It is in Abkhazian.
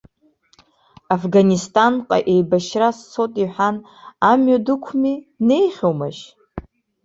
Афганисҭанҟа еибашьра сцоит иҳәан, амҩа дықәми, днеихьоумашь?